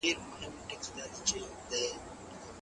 جنګ او وچکالي تل د بې وزلۍ لامل کیږي.